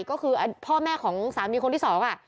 ก็คือพ่อแม่ของสามีคนที่สองอ่ะ